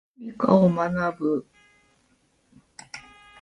理科を学ぶ。